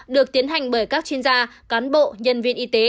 được tiến hành bởi các chuyên gia cán bộ nhân viên y tế